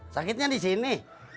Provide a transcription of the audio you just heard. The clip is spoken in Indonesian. sakitnya di sini